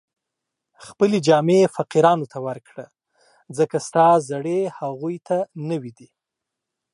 خپلې جامې فقیرانو ته ورکړه، ځکه ستا زړې هغو ته نوې دي